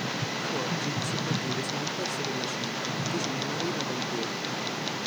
Ad oggi sopravvive solo un pezzo della cinta, vicino alla riva del Dee.